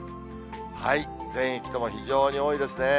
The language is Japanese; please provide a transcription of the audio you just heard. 全域とも非常に多いですね。